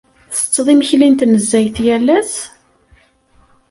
Tsetteḍ imekli n tnezzayt yal ass?